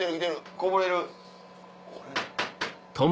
こぼれる。